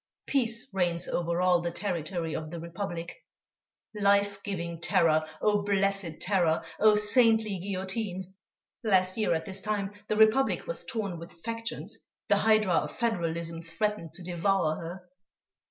Peace reigns over all the territory of the Republic.... Life giving terror, oh! blessed terror! oh! saintly guillotine! Last year at this time, the Republic was torn with factions, the hydra of Federalism threatened to devour her.